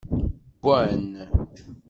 Wwan.